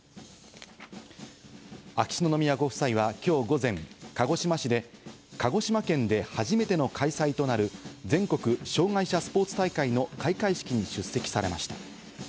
秋篠宮ご夫妻はきょう午前、鹿児島市で、鹿児島県で初めての開催となる全国障害者スポーツ大会の開会式に出席されました。